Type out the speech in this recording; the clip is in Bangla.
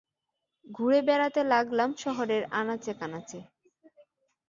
ঘুরে বেড়াতে লাগলাম শহরের আনাচে কানাচে।